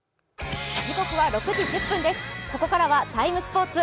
ここからは「ＴＩＭＥ，スポーツ」